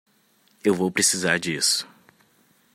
Eu vou precisar disso.